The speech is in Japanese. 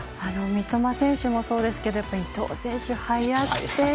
三笘選手もそうですけどやっぱり伊東選手、速くて。